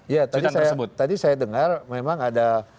ya tadi saya dengar memang ada